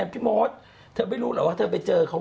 พี่มดเธอไม่รู้เหรอว่าเธอไปเจอเขา